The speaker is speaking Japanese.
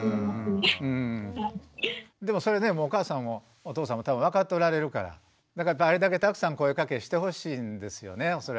でもそれねお母さんもお父さんも多分分かっておられるからだからあれだけたくさん声かけしてほしいんですよね恐らくね。